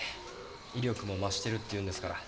威力も増してるっていうんですから。